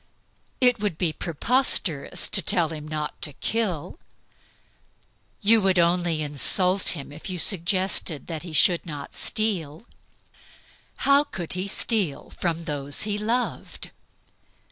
It would be preposterous to tell him not to kill. You could only insult him if you suggested that he should not steal how could he steal from those he loved?